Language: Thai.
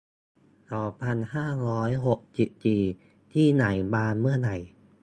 สองพันห้าร้อยหกสิบสี่ ที่ไหนบานเมื่อไร